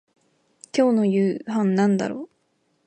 今日の夕飯なんだろう